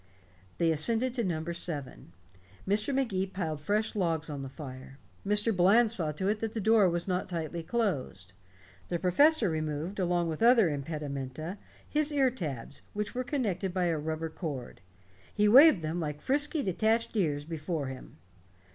They ascended to number seven. Mr. Magee piled fresh logs on the fire; Mr. Bland saw to it that the door was not tightly closed. The professor removed, along with other impedimenta, his ear tabs, which were connected by a rubber cord. He waved them like frisky detached ears before him.